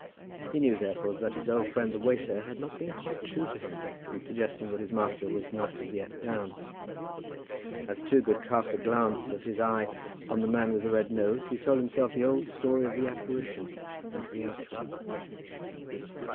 He knew therefore that his old friend the waiter had not been quite true to him in suggesting that his master was not as yet down. As Toogood cast a glance of his eye on the man with the red nose, he told himself the old story of the apparition under the archway.